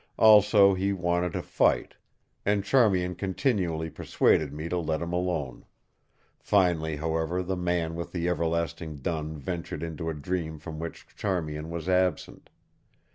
Also, he wanted to fight; and Charmian continually persuaded me to let him alone. Finally, however, the man with the everlasting dun ventured into a dream from which Charmian was absent.